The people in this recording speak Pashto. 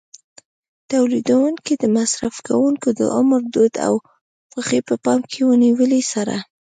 تولیدوونکي د مصرف کوونکو د عمر، دود او خوښۍ په پام کې نیولو سره.